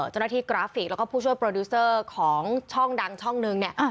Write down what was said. กราฟิกแล้วก็ผู้ช่วยโปรดิวเซอร์ของช่องดังช่องหนึ่งเนี่ย